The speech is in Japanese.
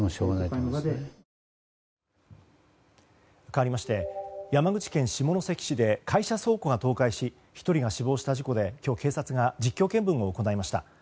かわりまして山口県下関市で会社倉庫が倒壊し１人が死亡した事故で今日、警察が実況見分を行いました。